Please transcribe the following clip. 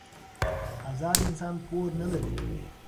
ازاد انسان پور نه لري.